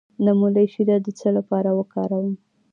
د مولی شیره د څه لپاره وکاروم؟